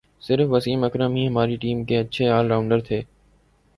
صرف وسیم اکرم ہی ہماری ٹیم کے اچھے آل راؤنڈر تھے